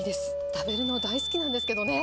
食べるの大好きなんですけどね。